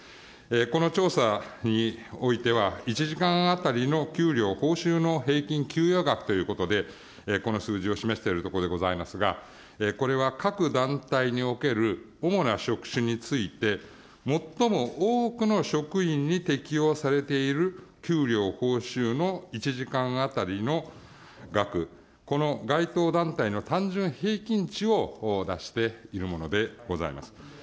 この調査においては１時間当たりの給料報酬の平均給与額ということでこの数字を示しているところでございますが、これは各団体における主な職種について最も多くの職員に適用されている給料報酬の１時間当たりの額、この該当団体の単純平均値を出しているものでございます。